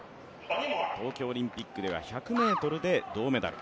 東京オリンピックでは１００ｍで銅メダル。